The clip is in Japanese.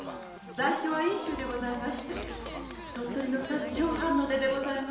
在所は因州でございまして鳥取のさる小藩の出でございます。